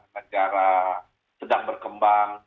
negara sedang berkembang